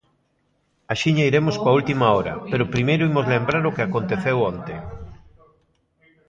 Axiña iremos coa última hora, pero primeiro imos lembrar o que aconteceu onte.